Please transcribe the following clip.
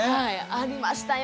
ありましたよ